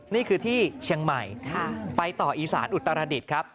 นี่คือที่เชียงใหม่ไปต่ออีสานอุตรดิษฐ์ครับ